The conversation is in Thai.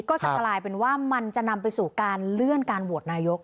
ก็จะกลายเป็นว่ามันจะนำไปสู่การเลื่อนการโหวตนายก